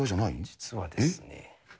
実はですね。